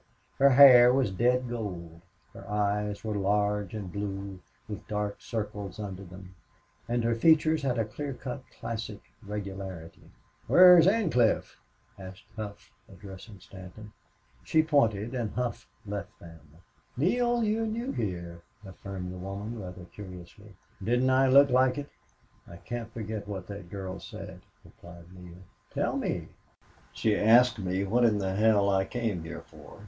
Her hair was dead gold; her eyes were large and blue, with dark circles under them; and her features had a clear cut classic regularity. "Where's Ancliffe?" asked Hough, addressing Stanton. She pointed, and Hough left them. "Neale, you're new here," affirmed the woman, rather curiously. "Didn't I look like it? I can't forget what that girl said," replied Neale. "Tell me." "She asked me what in the hell I came here for.